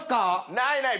ないない。